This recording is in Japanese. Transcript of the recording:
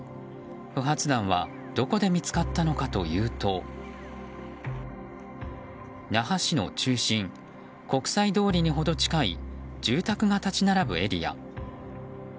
不発弾は、どこで見つかったのかというと那覇市の中心、国際通りに程近い住宅が立ち並ぶエリア。